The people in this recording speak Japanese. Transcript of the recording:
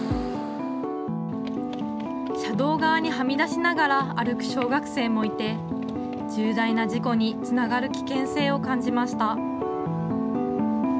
車道側にはみ出しながら歩く小学生もいて、重大な事故につながる危険性を感じました。